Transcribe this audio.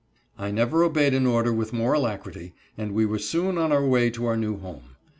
I never obeyed an order with more alacrity, and we were soon on our way to our new home.